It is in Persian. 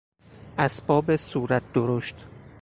اسباب صورت درشت